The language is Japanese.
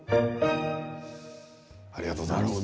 ありがとうございます。